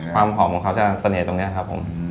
ความหอมของเขาจะเสน่ห์ตรงนี้ครับผม